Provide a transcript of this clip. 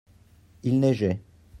il neigeait.